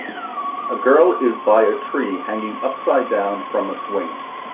A girl is by a tree hanging upsidedown from a swing.